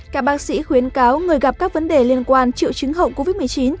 các bác sĩ khuyến cáo người gặp các vấn đề liên quan triệu chứng hậu covid một mươi chín